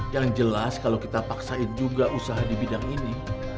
yang jelas kalau kita paksain juga usaha di bidang ini